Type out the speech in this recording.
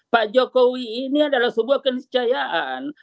pak jokowi ini adalah sebuah keniscayaan